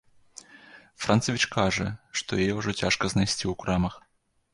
Францавіч кажа, што яе ўжо цяжка знайсці ў крамах.